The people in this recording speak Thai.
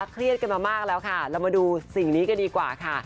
เครียดกันมามากแล้วค่ะเรามาดูสิ่งนี้กันดีกว่าค่ะ